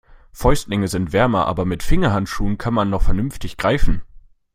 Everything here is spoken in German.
Fäustlinge sind wärmer, aber mit Fingerhandschuhen kann man noch vernünftig greifen.